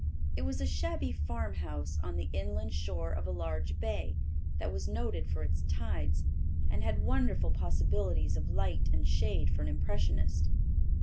It was a shabby farmhouse on the inland shore of a large bay that was noted for its tides, and had wonderful possibilities of light and shade for an impressionist.